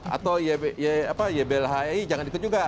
atau yblhi jangan ikut juga